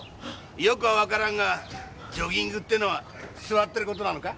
よくはわからんがジョギングってのは座ってる事なのか？